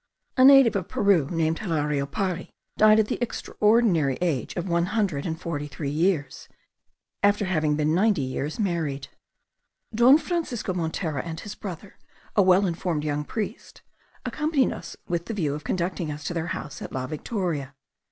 A native of Peru named Hilario Pari died at the extraordinary age of one hundred and forty three years, after having been ninety years married. Don Francisco Montera and his brother, a well informed young priest, accompanied us with the view of conducting us to their house at La Victoria.